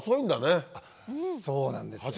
そうなんですよ。